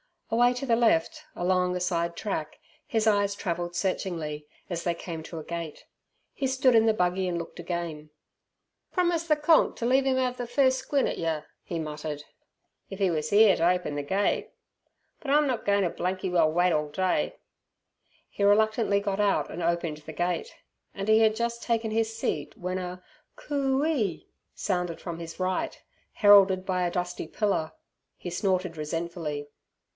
Away to the left along a side track his eyes travelled searchingly, as they came to a gate. He stood in the buggy and looked again. "Promised ther 'Konk' t' leave 'im 'ave furst squint at yer," he muttered, "if 'e was 'ere t' open ther gate! But I'm not goin' t' blanky well wait orl day!" He reluctantly got out and opened the gate, and he had just taken his seat when a "Coo ee" sounded from his right, heralded by a dusty pillar. He snorted resentfully.